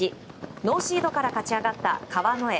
ノーシードから勝ち上がった川之江。